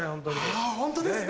あホントですね。